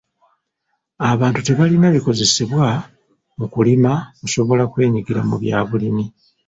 Abantu tebalina bikozesebwa mu kulima kusobola kwenyigira mu bya bulimi.